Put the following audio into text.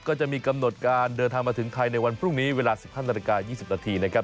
ก็จะมีกำหนดการเดินทางมาถึงไทยในวันพรุ่งนี้เวลา๑๕นาฬิกา๒๐นาทีนะครับ